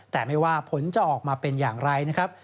แต่ไม่ว่าผลจะออกมาเป็นอย่างไรนะครับ